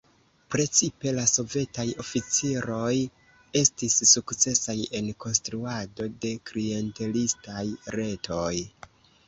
Precipe la sovetaj oficiroj estis sukcesaj en konstruado de klientelistaj retoj.